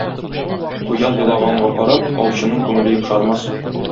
Куян елаганга карап, аучының күңеле йомшармас.